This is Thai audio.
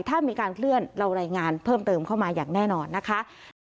ถ้ามีการเคลื่อนเรารายงานเพิ่มเติมเข้ามาอย่างแน่นอนนะคะ